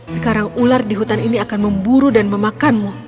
sekarang ular di hutan ini akan memburu dan memakanmu